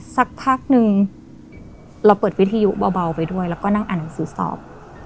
สักพักนึงเราเปิดวิทยุเบาไปด้วยแล้วก็นั่งอ่านหนังสือสอบ